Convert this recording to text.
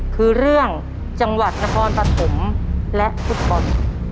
คือเรื่องจังหวัดนครปฐมและพฤษฐศัพท์